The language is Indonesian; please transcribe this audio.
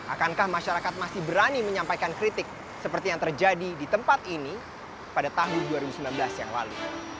akankah masyarakat masih berani menyampaikan kritik seperti yang terjadi di tempat ini pada tahun dua ribu sembilan belas yang lalu